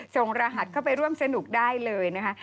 รหัสเข้าไปร่วมสนุกได้เลยนะคะ